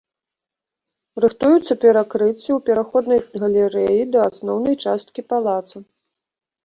Рыхтуюцца перакрыцці ў пераходнай галерэі да асноўнай часткі палаца.